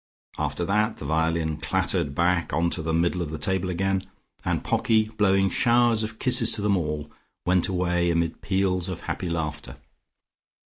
After that, the violin clattered back onto the middle of the table again, and Pocky, blowing showers of kisses to them all, went away amid peals of happy laughter.